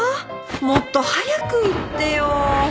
もっと早く言ってよ